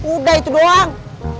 udah itu doang